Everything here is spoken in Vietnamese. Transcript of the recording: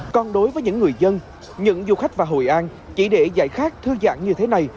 còn đối với những người dân những du khách và hội an chỉ để dạy khác thư giãn như thế này